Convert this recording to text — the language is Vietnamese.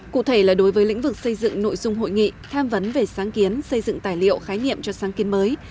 cụ thể là đối với lĩnh vực xây dựng nội dung hội nghị tham vấn về sáng kiến xây dựng tài liệu khái niệm cho sáng kiến mới